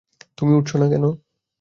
তুমি উড়ছো না কেন?